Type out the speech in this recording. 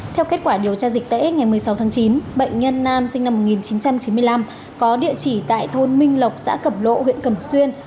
theo kết quả điều tra dịch tễ ngày một mươi sáu tháng chín bệnh nhân nam sinh năm một nghìn chín trăm chín mươi năm có địa chỉ tại thôn minh lộc xã cẩm lộ huyện cẩm xuyên